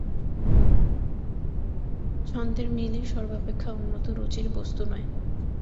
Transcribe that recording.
ছন্দের মিলই সর্বাপেক্ষা উন্নত রুচির বস্তু নয়।